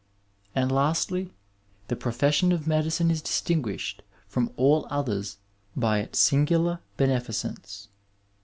And lastly, the profession of medicine is distinguished from all others by its singvlar beneficence.